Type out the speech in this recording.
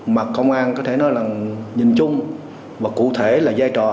mà công an có thể nói là nhìn chung và cụ thể là giai trò